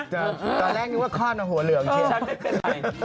ตอนแรกนึกว่าครอดน้องหัวเหลืองใช่มั้ย